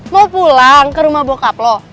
mau pulang ke rumah bokap loh